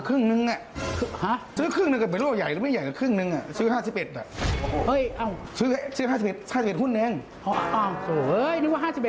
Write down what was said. ก็เป็นหุ้นทั่วไป